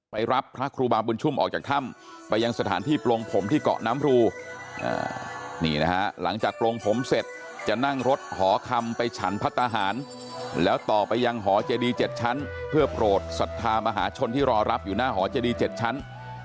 ไปรับพระครูบาบุญชุ่มออกจากถ้ำไปยังสถานที่ปลงผมที่เกาะน้ำรูนี่นะฮะหลังจากปลงผมเสร็จจะนั่งรถหอคำไปฉันพัฒนาหารแล้วต่อไปยังหอเจดี๗ชั้นเพื่อโปรดศรัทธามหาชนที่รอรับอยู่หน้าหอเจดี๗ชั้น